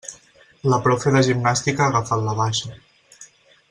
La profe de gimnàstica ha agafat la baixa.